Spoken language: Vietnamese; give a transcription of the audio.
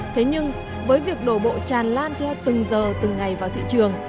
thế nhưng với việc đổ bộ tràn lan theo từng giờ từng ngày vào thị trường